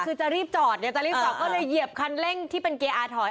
คือจะรีบจอดเนี่ยจะรีบจอดก็เลยเหยียบคันเร่งที่เป็นเกียร์อาถอน